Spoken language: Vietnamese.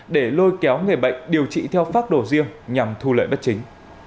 để lôi kéo người bệnh điều trị theo phác đồ riêng nhằm thu lợi bất chính